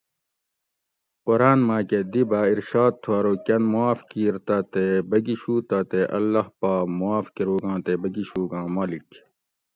قران ماکہ دی باۤ اِرشاد تھُو ارو کۤن معاف کِیر تہ تے بگیشو تہ تے اللّٰہ پا معاف کروگاں تے بگیشوگاں مالک